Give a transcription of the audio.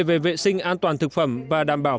về vệ sinh an toàn thực phẩm và đảm bảo